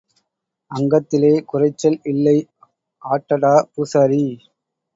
அங்கத்திலே குறைச்சல் இல்லை ஆட்டடா பூசாரி.